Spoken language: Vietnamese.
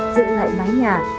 dựng lại mái nhà